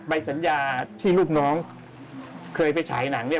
ใบสัญญาที่ลูกน้องเคยไปฉายหนังเนี่ย